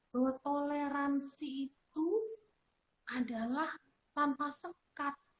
bahwa toleransi itu adalah tanpa sekat